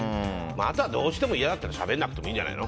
あとは、どうしても嫌ならしゃべらなくてもいいんじゃない。